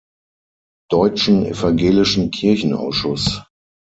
Deutschen Evangelischen Kirchenausschuss.